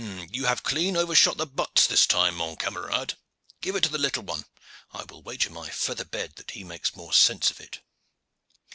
You have clean overshot the butts this time, mon camarade. Give it to the little one. I will wager my feather bed that he makes more sense of it."